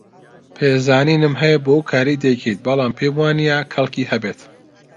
پێزانینم هەیە بۆ ئەو کارەی دەیکەیت، بەڵام پێم وانییە کەڵکی هەبێت.